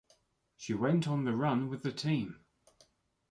She went on the run with the team.